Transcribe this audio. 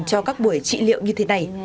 cho các buổi trị liệu như thế này